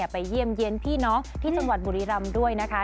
เยี่ยมเยี่ยนพี่น้องที่จังหวัดบุรีรำด้วยนะคะ